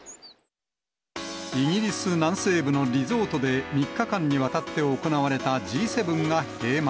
イギリス南西部のリゾートで３日間にわたって行われたＧ７が閉幕。